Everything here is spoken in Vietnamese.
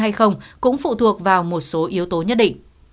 hay không cũng phụ thuộc vào một số yếu tố nhất định